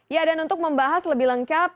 ya dan untuk membahas lebih lengkap